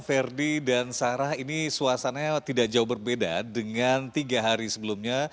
ferdi dan sarah ini suasananya tidak jauh berbeda dengan tiga hari sebelumnya